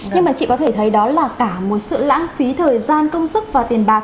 nhưng mà chị có thể thấy đó là cả một sự lãng phí thời gian công sức và tiền bạc